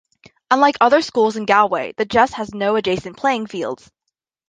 Unlike other schools in Galway, the Jes has no adjacent playing fields.